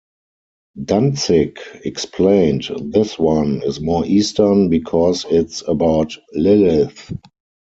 Danzig explained This one is more Eastern, because it's about Lilith.